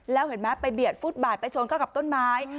แล้วเห็นไหมไปเบียดฟุตบาทไปชนเข้ากับต้นไม้